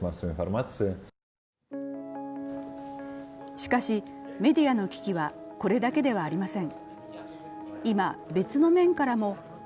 しかし、メディアの危機はこれだけではありません。